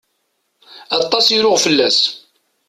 Aṭas i ruɣ fell-as.